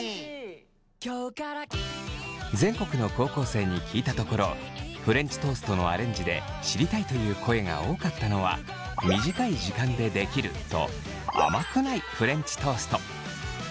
全国の高校生に聞いたところフレンチトーストのアレンジで知りたいという声が多かったのは短い時間でできると甘くないフレンチトースト。